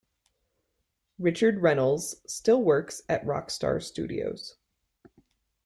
Richard Reynolds still works at Rockstar Studios.